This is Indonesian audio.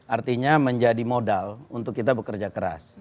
artinya menjadi modal untuk kita bekerja keras